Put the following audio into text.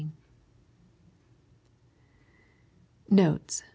Notes.